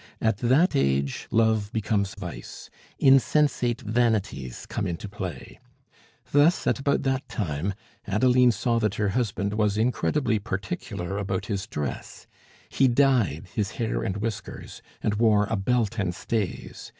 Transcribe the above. At that age love becomes vice; insensate vanities come into play. Thus, at about that time, Adeline saw that her husband was incredibly particular about his dress; he dyed his hair and whiskers, and wore a belt and stays.